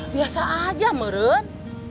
biasa aja meren